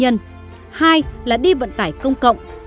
hai là đi vận tải công cộng